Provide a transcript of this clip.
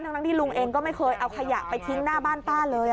ทั้งที่ลุงเองก็ไม่เคยเอาขยะไปทิ้งหน้าบ้านป้าเลย